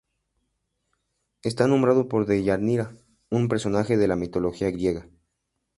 Está nombrado por Deyanira, un personaje de la mitología griega.